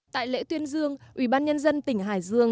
tại lễ tuyên dương ubnd tỉnh hải dương